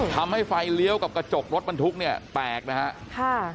ทำให้ไฟเลี้ยวกับกระจกรถบรรทุกเนี่ยแตกนะฮะค่ะ